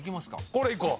これいこう。